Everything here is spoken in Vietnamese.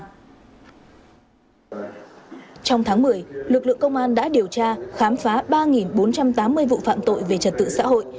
trong tháng một mươi lực lượng công an đã điều tra khám phá ba bốn trăm tám mươi vụ phạm tội về trật tự xã hội